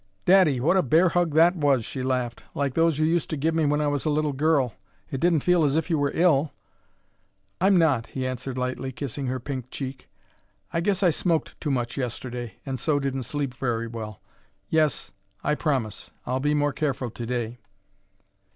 "Daddy! What a bear hug that was!" she laughed, "like those you used to give me when I was a little girl. It didn't feel as if you were ill." "I'm not," he answered lightly, kissing her pink cheek. "I guess I smoked too much yesterday, and so didn't sleep very well. Yes; I promise; I'll be more careful to day."